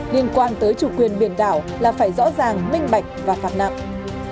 liên quan tới chủ quyền biển đảo là phải rõ ràng minh bạch và phạt nặng